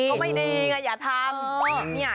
ก็ไม่ดีไงอย่าทำ